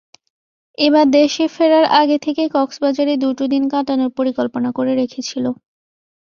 এবার দেশে ফেরার আগে থেকেই কক্সবাজারে দুটো দিন কাটানোর পরিকল্পনা করে রেখেছিল।